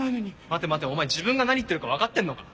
待て待てお前自分が何言ってるか分かってんのか？